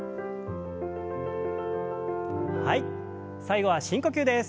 最後は深呼吸です。